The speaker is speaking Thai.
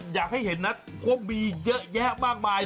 อยากให้เห็นนะเพราะมีเยอะแยะมากมาย